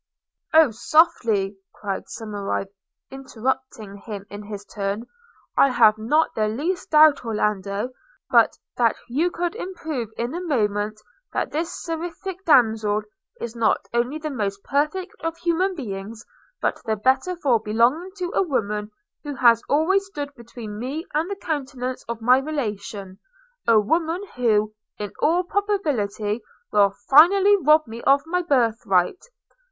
'Oh, softly!' cried Somerive, interrupting him in his turn, 'I have not the least doubt, Orlando, but that you could prove in a moment that this seraphic damsel is not only the most perfect of human beings, but the better for belonging to a woman who has always stood between me and the countenance of my relation; a woman who, in all probability, will finally rob me of my birth right.